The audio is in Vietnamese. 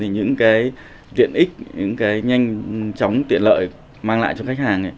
những tiện ích những nhanh chóng tiện lợi mang lại cho khách hàng